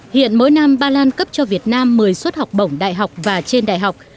hiện mỗi năm ba lan cấp cho việt nam một mươi suất học bổng đại học và trên đại học